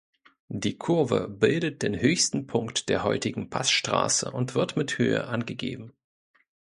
Die Kurve bildet den höchsten Punkt der heutigen Passstraße und wird mit Höhe angegeben.